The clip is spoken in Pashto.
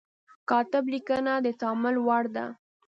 کاتب لیکنه د تأمل وړ ده.